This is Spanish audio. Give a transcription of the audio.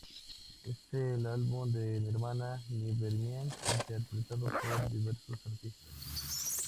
Es el álbum de Nirvana "Nevermind", interpretado por diversos artistas.